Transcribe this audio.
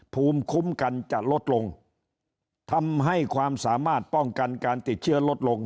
ภูมิคุ้มกันจะลดลงทำให้ความสามารถป้องกันการติดเชื้อลดลง